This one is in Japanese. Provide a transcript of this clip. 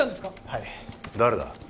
はい誰だ？